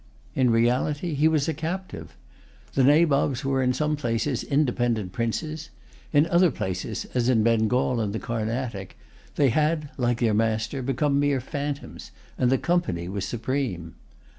In reality, he was a captive. The Nabobs were in some places independent princes. In other places, as in Bengal and the Carnatic, they had, like their master, become mere phantoms, and the Company was supreme.